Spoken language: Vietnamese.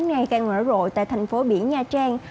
ngày càng nở rộ tại thành phố biển nha trang